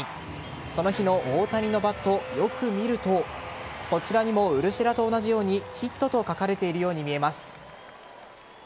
その日の大谷のバットをよく見るとこちらにもウルシェラと同じようにヒットと書かれているように見えます。